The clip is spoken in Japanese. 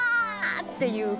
っていう。